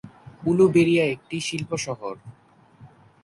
উলুবেড়িয়া একটি শিল্প-শহর।